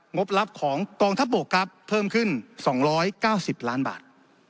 บลับของกองทัพบกครับเพิ่มขึ้น๒๙๐ล้านบาท